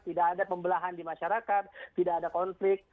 tidak ada pembelahan di masyarakat tidak ada konflik